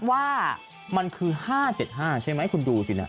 ว่ามันคือ๕๗๕ใช่ไหมคุณดูสินะ